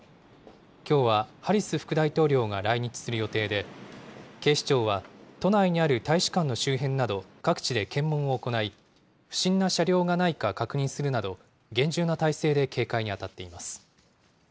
きょうはハリス副大統領が来日する予定で、警視庁は、都内にある大使館の周辺など、各地で検問を行い、不審な車両がないか確認するなど、厳重な態勢で警戒に当たっています。